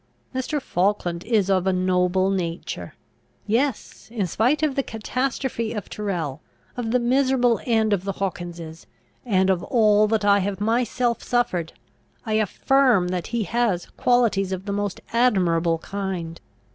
"Mr. Falkland is of a noble nature. Yes; in spite of the catastrophe of Tyrrel, of the miserable end of the Hawkinses, and of all that I have myself suffered, I affirm that he has qualities of the most admirable kind.